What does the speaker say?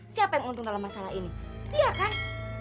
siapa yang untung dalam masalah ini iya kan